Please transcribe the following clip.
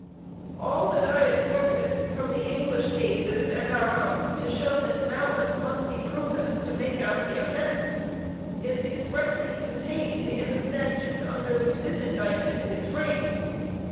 All that I have quoted from the English cases and our own to show that malice must be proven to make out the offense, is expressly contained in the statute under which this indictment is framed.